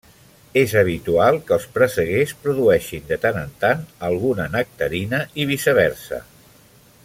És habitual que els presseguers produeixin de tant en tant alguna nectarina i viceversa.